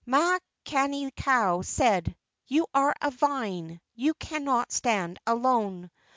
Makani kau said: "You are a vine; you cannot stand alone.